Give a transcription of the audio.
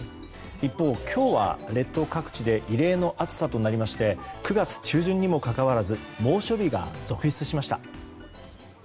一方、今日は列島各地で異例の暑さとなりまして９月中旬にもかかわらず猛暑日が続出しました。